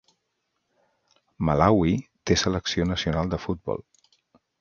Malawi té selecció nacional de futbol.